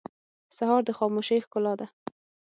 سهار د خاموشۍ ښکلا ده.